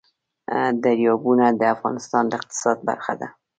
دریابونه د افغانستان د اقتصاد برخه ده.